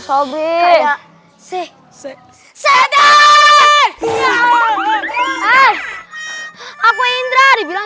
kamu denger gak